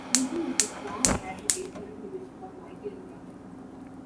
Wilson was a strong advocate, using the vision of Michael Young.